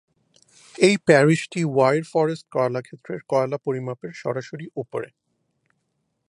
এই প্যারিশটি wire forest কয়লাক্ষেত্রের কয়লা পরিমাপের সরাসরি উপরে।